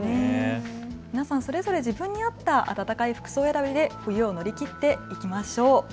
皆さんもそれぞれ自分に合ったあたたかい服装選びで冬を乗り切っていきましょう。